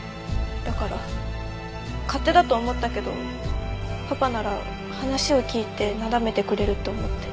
だから勝手だと思ったけどパパなら話を聞いてなだめてくれると思って。